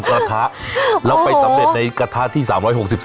๓๖๓กระทะแล้วไปสำเร็จในกระทะที่๓๖๔หรอครับ